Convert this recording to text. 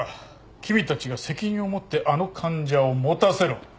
君たちが責任を持ってあの患者を持たせろ。